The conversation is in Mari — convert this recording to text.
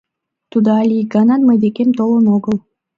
Тудо але ик ганат мый декем толын огыл.